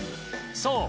そう。